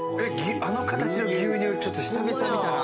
あの形の牛乳ちょっと久々見たな。